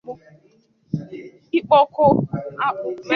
ikpoko akpụ